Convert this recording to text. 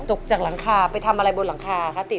ตกจากหลังคาไปทำอะไรบนหลังคาคะติ